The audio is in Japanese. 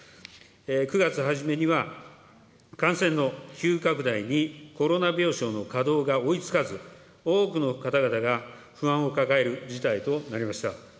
９月初めには、感染の急拡大にコロナ病床の稼働が追いつかず、多くの方々が不安を抱える事態となりました。